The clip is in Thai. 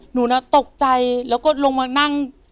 หนูน่ะตกใจแล้วก็ลงมานั่ง